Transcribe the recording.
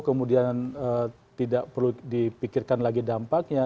kemudian tidak perlu dipikirkan lagi dampaknya